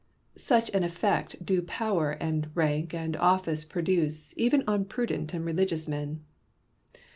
Such an effect do power and rank and office produce even on prudent and religious men.